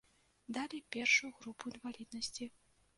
Далі першую групу інваліднасці.